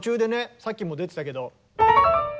さっきも出てたけど。